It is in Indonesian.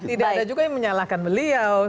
tidak ada juga yang menyalahkan beliau